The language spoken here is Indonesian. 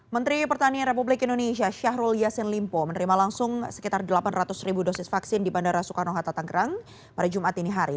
menteri pertanian republik indonesia syahrul yassin limpo menerima langsung sekitar delapan ratus ribu dosis vaksin di bandara soekarno hatta tanggerang pada jumat ini hari